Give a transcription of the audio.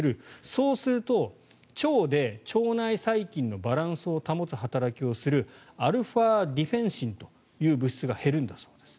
そうすると腸で腸内細菌のバランスを保つ働きをするアルファ・ディフェンシンという物質が減るんだそうです。